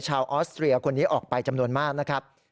ออสเตรียคนนี้ออกไปจำนวนมากนะครับ